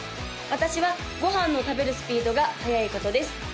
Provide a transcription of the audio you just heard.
私はご飯を食べるスピードが速いことです